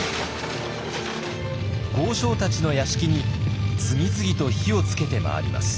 豪商たちの屋敷に次々と火をつけて回ります。